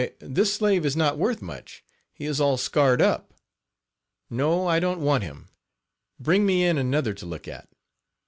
this slave is not worth much, he is all scarred up. No, I don't want him; bring me in another to look at."